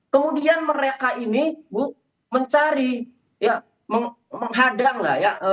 kemudian mereka ini bu mencari ya menghadang lah ya